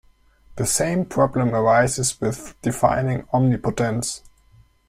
The same problem arises with defining omnipotence.